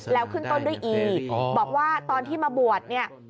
แล้วขึ้นต้นด้วยอีกบอกว่าตอนที่มาบวชเนี่ย